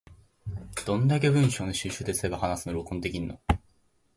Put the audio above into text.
どんだけ文章の収集手伝えば話すの録音ができるの？